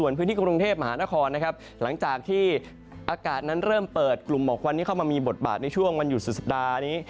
ส่วนพื้นที่กรุงเทพมหานครนะครับหลังจากที่อากาศนั้นเริ่มเปิดกลุ่มหมอกควันที่เข้ามามีบทบาทในช่วงวันหยุดสุดสัปดาห์นี้